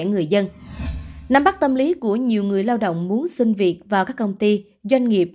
năm bắt tâm lý của nhiều người lao động muốn xin việc vào các công ty doanh nghiệp